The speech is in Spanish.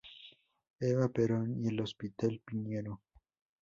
Eva Perón y El Hospital Piñero